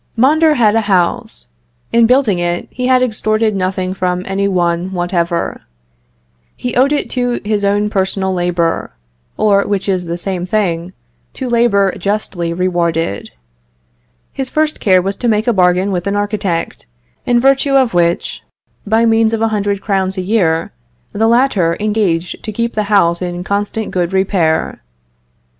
Mondor had a house. In building it, he had extorted nothing from any one whatever. He owed it to his own personal labor, or, which is the same thing, to labor justly rewarded. His first care was to make a bargain with an architect, in virtue of which, by means of a hundred crowns a year, the latter engaged to keep the house in constant good repair.